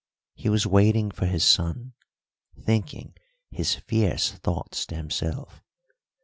He was waiting for his son, thinking his fierce thoughts to himself.